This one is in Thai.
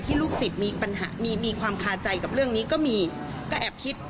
ที่ลูกศิษย์มีความคาใจกับเรื่องนี้ก็แอบคิด